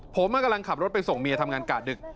ผมกำลังขับรถไปส่งเมียทำงานกะดึก